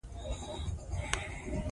که غواړۍ ،چې د تېرو شلو کالو کې